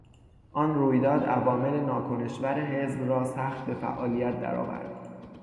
آن رویداد عوامل ناکنشور حزب را سخت به فعالیت در آورد.